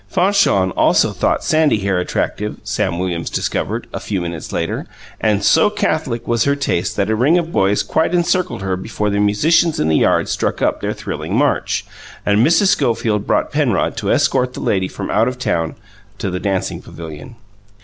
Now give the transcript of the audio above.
Fanchon also thought sandy hair attractive, Sam Williams discovered, a few minutes later, and so catholic was her taste that a ring of boys quite encircled her before the musicians in the yard struck up their thrilling march, and Mrs. Schofield brought Penrod to escort the lady from out of town to the dancing pavilion.